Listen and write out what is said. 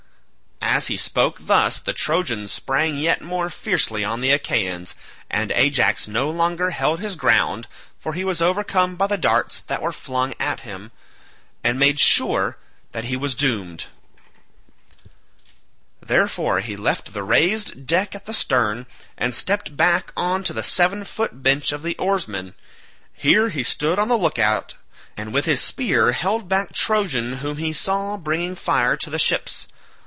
As he spoke thus the Trojans sprang yet more fiercely on the Achaeans, and Ajax no longer held his ground, for he was overcome by the darts that were flung at him, and made sure that he was doomed. Therefore he left the raised deck at the stern, and stepped back on to the seven foot bench of the oarsmen. Here he stood on the look out, and with his spear held back any Trojan whom he saw bringing fire to the ships.